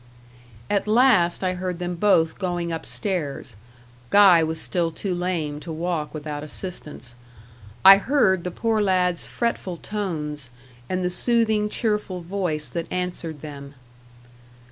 At last I heard them both going up stairs Guy was still too lame to walk without assistance. I heard the poor lad's fretful tones, and the soothing, cheerful voice that answered them.